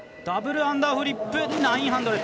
ダブルアンダーフリップ９００。